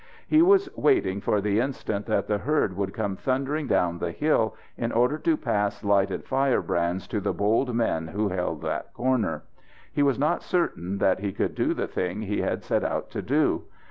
He was waiting for the instant that the herd would come thundering down the hill, in order to pass lighted firebrands to the bold men who held that corner. He was not certain that he could do the thing he had set out to do.